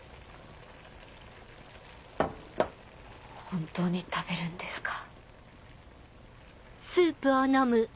本当に食べるんですか？